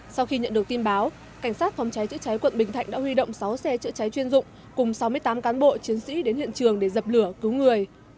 sau khi nhận được tin báo cảnh sát phòng cháy chữa cháy quận bình thạnh đã huy động sáu xe chữa cháy chuyên dụng cùng sáu mươi tám cán bộ chiến sĩ đến hiện trường để dập lửa cứu người